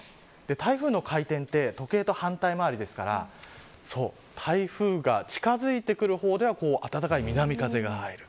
台風の回転って時計と反対回りですから台風が近づいてくる方では暖かい南風が入る。